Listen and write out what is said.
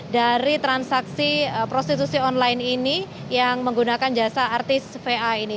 jadi transaksi prostitusi online ini yang menggunakan jasa artis va ini